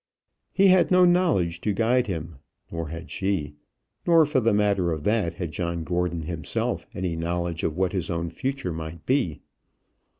He had no knowledge to guide him, nor had she; nor, for the matter of that, had John Gordon himself any knowledge of what his own future might be.